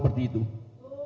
saat kedatangan tersebut